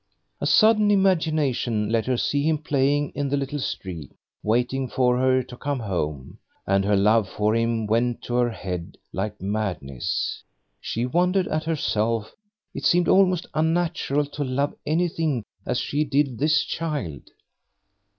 A sudden imagination let her see him playing in the little street, waiting for her to come home, and her love for him went to her head like madness. She wondered at herself; it seemed almost unnatural to love anything as she did this child.